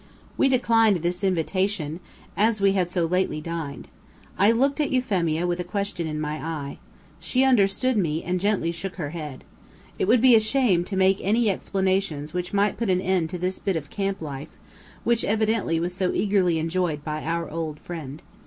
We declined this invitation, as we had so lately dined. I looked at Euphemia with a question in my eye. She understood me, and gently shook her head. It would be a shame to make any explanations which might put an end to this bit of camp life, which evidently was so eagerly enjoyed by our old friend.